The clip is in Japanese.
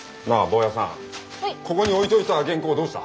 ここに置いといた原稿どうした？